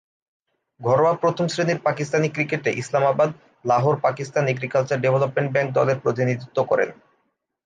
ঘরোয়া প্রথম-শ্রেণীর পাকিস্তানি ক্রিকেটে Islamabad, Lahore Pakistan agriculture development bank দলের প্রতিনিধিত্ব করেন।